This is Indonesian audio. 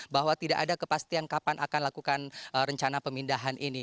bahwa tidak ada kepastian kapan akan lakukan rencana pemindahan ini